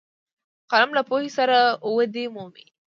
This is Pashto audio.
قلم له پوهې سره ودې مومي